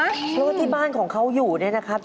เพราะว่าที่บ้านของเขาอยู่เนี่ยนะครับ